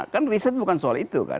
kan riset bukan soal itu kan